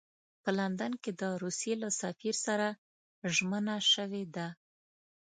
په لندن کې د روسیې له سفیر سره ژمنه شوې ده.